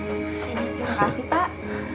terima kasih pak